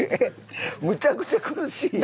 むちゃくちゃ苦しいやん。